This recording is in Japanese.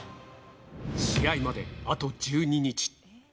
試合まであと１２日。